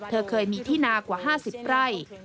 เธอเคยมีที่นากว่า๕๐ไร่